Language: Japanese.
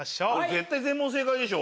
絶対全問正解でしょ。